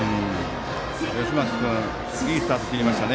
吉松君、いいスタート切りましたね。